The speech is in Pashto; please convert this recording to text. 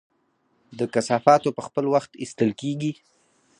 د کثافاتو په خپل وخت ایستل کیږي؟